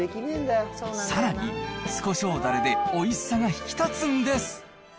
さらに、酢こしょうだれでおいしさが引き立つんです。